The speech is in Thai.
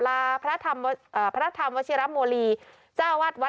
ลาพระธรรมเอ่อพระธรรมวจิรัชม